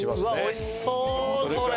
美味しそうそれ！